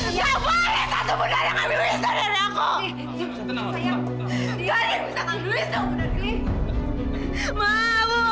nggak boleh satu bunda dia ngambil